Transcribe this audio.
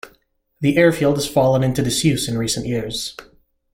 The airfield has fallen into disuse in recent years.